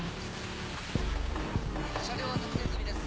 車両は特定済みです。